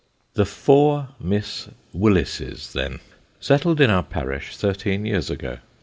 The four Miss Willises, then, settled in our parish thirteen years ago.